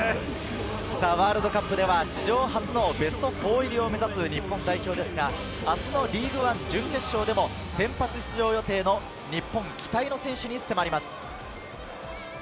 ワールドカップでは史上初のベスト４入りを目指す日本代表ですが、明日のリーグワン準決勝でも先発出場予定の日本期待の選手に迫ります。